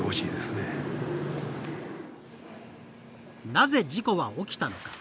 なぜ事故は起きたのか。